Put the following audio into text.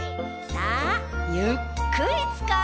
さあゆっくりつかろう！